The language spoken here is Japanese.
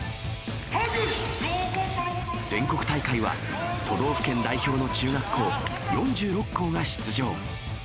全国大会は、都道府県代表の中学校４６校が出場。